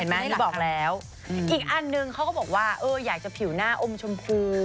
เห็นมั้ยที่บอกแล้วอีกอันหนึ่งเขาก็บอกว่าอยากจะผิวหน้าอมชมพู